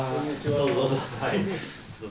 どうぞ。